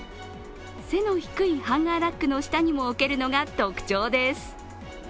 背の低いハンガーラックの下にも置けるのが特徴です。